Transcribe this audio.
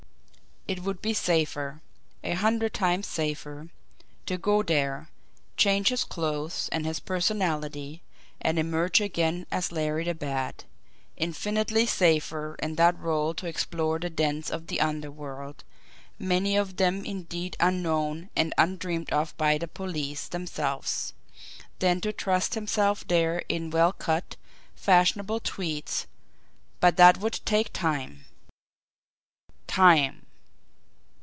It would be safer, a hundred times safer, to go there, change his clothes and his personality, and emerge again as Larry the Bat infinitely safer in that role to explore the dens of the underworld, many of them indeed unknown and undreamed of by the police themselves, than to trust himself there in well cut, fashionable tweeds but that would take time. Time!